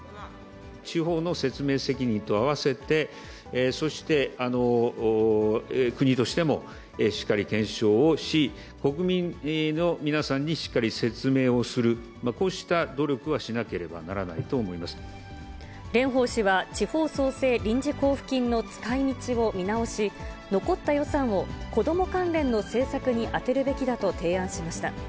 地方の説明責任とあわせて、そして国としてもしっかり検証をし、国民の皆さんにしっかり説明をする、こうした努力はしなければな蓮舫氏は、地方創生臨時交付金の使いみちを見直し、残った予算を子ども関連の政策に充てるべきだと提案しました。